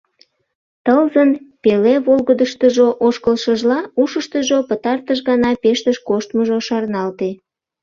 Тылзын пеле волгыдыштыжо ошкылшыжла, ушыштыжо пытартыш гана Пештыш коштмыжо шарналте.